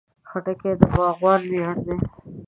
خټکی د باغوان ویاړ دی.